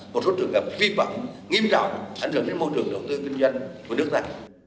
một rốt đường gặp phi vọng nghiêm trọng ảnh hưởng đến môi trường đầu tư kinh doanh của nước này